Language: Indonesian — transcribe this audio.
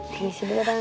terima kasih dulu tante